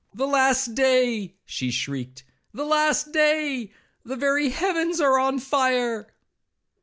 —'The last day,' she shrieked, 'The last day! The very heavens are on fire!'